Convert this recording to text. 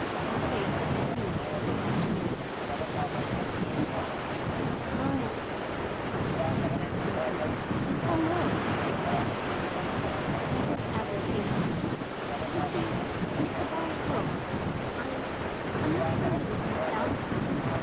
Her face was the hue of a ripe tomato. "I guess I'll just take this along with me," he said teasingly. "Oh, no!" Madge exclaimed and then added hastily: "You see, it's a borrowed book. I—I'm not through with it myself."